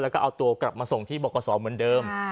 แล้วก็เอาตัวกลับมาส่งที่บรกษอเหมือนเดิม